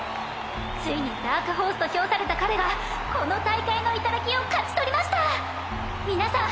ついにダークホースと評された彼がこの大会の頂を勝ち取りました皆さん